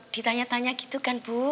ditanya tanya gitu kan bu